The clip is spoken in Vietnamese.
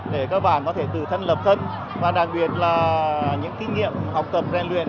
để các bạn có thể tự thân lập thân và đặc biệt là những kinh nghiệm học tập rèn luyện